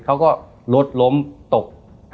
เขาก็ลดลมตก